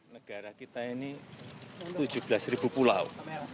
negara kita ini tujuh belas ribu pulau